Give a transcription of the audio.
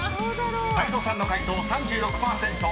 ［泰造さんの解答３６％］